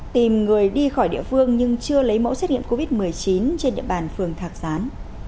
tìm người đi khỏi địa phương nhưng chưa lấy mẫu xét nghiệm covid một mươi chín trên địa bàn phường thạc gián